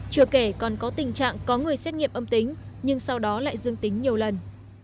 chưa kể còn có tình trạng có người xét nghiệm âm tính nhưng sau đó lại dương tính nhiều lần